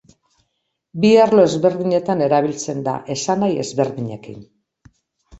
Bi arlo ezberdinetan erabiltzen da, esanahi ezberdinekin.